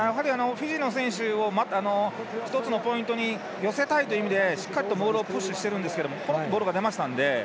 フィジーの選手１つのポイントに寄せたいという意味でしっかりとボールをプッシュしているんですがボールが前に出ましたので。